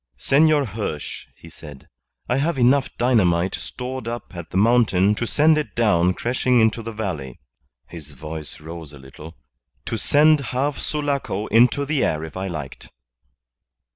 "Senor Hirsch," he said, "I have enough dynamite stored up at the mountain to send it down crashing into the valley" his voice rose a little "to send half Sulaco into the air if I liked."